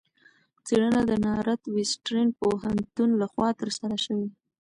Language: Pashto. څېړنه د نارت وېسټرن پوهنتون لخوا ترسره شوې.